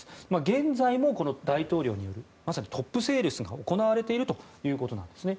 現在も大統領のトップセールスが行われているということなんです。